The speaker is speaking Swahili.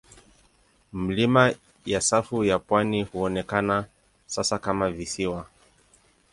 Milima ya safu ya pwani huonekana sasa kama visiwa.